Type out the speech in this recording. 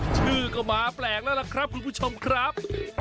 ชื่อก็มาแปลกแล้วล่ะครับคุณผู้ชมครับ